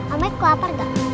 om baik aku lapar gak